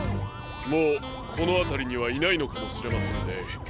もうこのあたりにはいないのかもしれませんね。